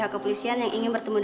gak usah ganggu gue